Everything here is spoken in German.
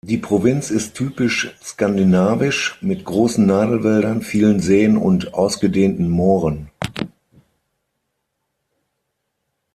Die Provinz ist typisch skandinavisch, mit großen Nadelwäldern, vielen Seen und ausgedehnten Mooren.